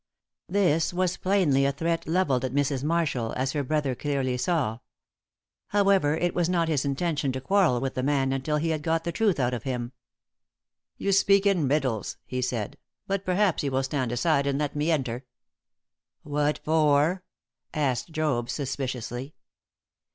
This was plainly a threat levelled at Mrs. Marshall, as her brother clearly saw. However, it was not his intention to quarrel with the man until he had got the truth out of him. "You speak in riddles," he said, "but perhaps you will stand aside and let me enter." "What for?" asked Job, suspiciously.